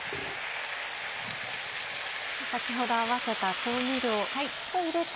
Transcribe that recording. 先ほど合わせた調味料を入れて。